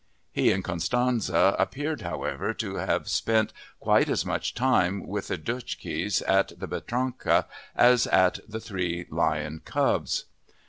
He and Constanze appeared, however, to have spent quite as much time with the Duscheks at the Bertramka as at the "Three Lion Cubs."